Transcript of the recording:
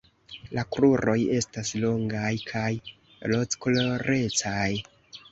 La kruroj estas longaj kaj rozkolorecaj.